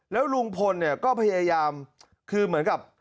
แล้วลุงพลเนี่ยก็พยายามคือเหมือนกับ